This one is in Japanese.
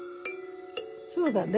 そうだね。